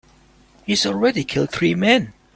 He's already killed three men.